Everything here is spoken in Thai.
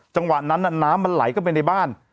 จังหวะนั้นน้ำมันไหลเข้าไปในบ้าน